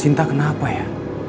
sinta kenapa ya